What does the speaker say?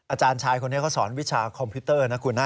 อาจารย์ชายคนนี้เขาสอนวิชาคอมพิวเตอร์นะคุณนะ